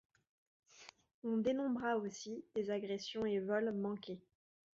On dénombra aussi des agressions et vols manqués.